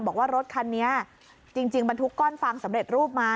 บอกว่ารถคันนี้จริงบรรทุกก้อนฟางสำเร็จรูปมา